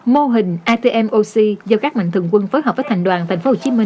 mô hình atm oxy do các mạnh thường quân phối hợp với thành đoàn tp hcm